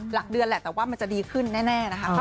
หลักเดือนแหละแต่ว่ามันจะดีขึ้นแน่นะคะ